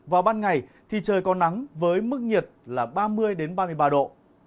vào ban ngày thì trời có nắng với mức nhiệt là ba mươi ba mươi ba độ